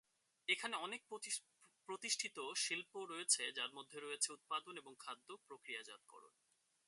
এখানে অনেক প্রতিষ্ঠিত শিল্প রয়েছে, যার মধ্যে রয়েছে উৎপাদন এবং খাদ্য প্রক্রিয়াজাতকরণ।